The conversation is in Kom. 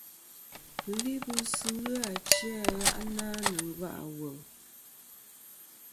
Libɨs ghɨ achi a gha'na nɨ̀ nga' ɨ wùl.